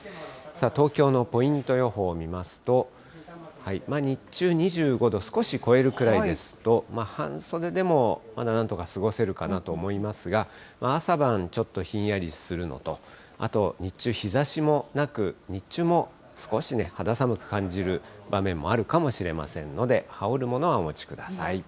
東京のポイント予報見ますと、日中、２５度少し超えるぐらいですと、まあ、半袖でもまだなんとか過ごせるかなと思いますが、朝晩、ちょっとひんやりするのと、あと、日中日ざしもなく、日中も少し肌寒く感じる場面もあるかもしれませんので、羽織るものはお持ちください。